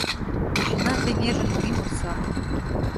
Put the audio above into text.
Кучена кеҥежын ӱмыр сапым.